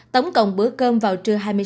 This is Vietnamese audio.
tổng cộng bữa cơm vào trưa hai mươi h